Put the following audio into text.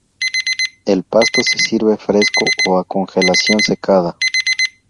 El pasto se sirve fresco o a congelación secada.